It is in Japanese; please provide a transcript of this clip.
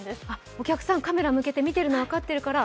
お客さん、カメラ向けて見ているの分かってるから。